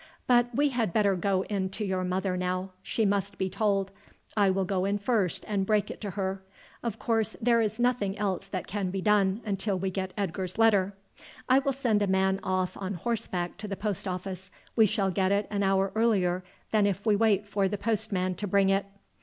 But we had better go in to your mother now, she must be told. I will go in first and break it to her. Of course there is nothing else that can be done until we get Edgar's letter. I will send a man off on horseback to the post office, we shall get it an hour earlier than if we wait for the postman to bring it."